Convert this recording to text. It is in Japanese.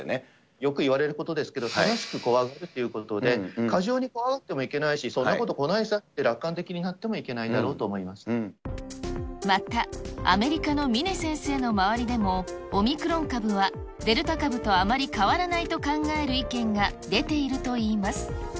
よく言われることですけど、正しく怖がるということで、過剰に怖がってもいけないし、そんなこと来ないさって、楽観的になってもいけないんだろうと思また、アメリカの峰先生の周りでも、オミクロン株は、デルタ株とあまり変わらないと考える意見が出ているといいます。